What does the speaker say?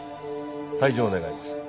退場願います。